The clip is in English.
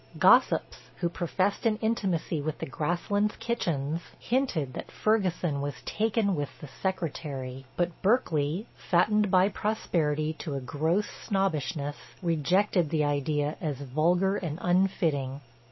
Gossips, who professed an intimacy with the Grasslands kitchens, hinted that Ferguson was "taken with" the secretary. But Berkeley, fattened by prosperity to a gross snobbishness, rejected the idea as vulgar and unfitting.